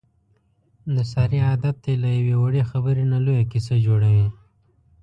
د سارې عادت دی له یوې وړې خبرې نه لویه کیسه جوړوي.